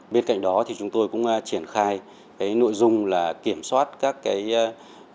bên cạnh đó chúng tôi cũng triển khai nội dung kiểm soát các hoạt động